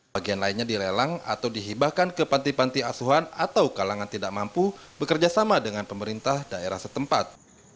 bagian lainnya dilelang atau dihibahkan ke panti panti asuhan atau kalangan tidak mampu bekerja sama dengan pemerintah daerah setempat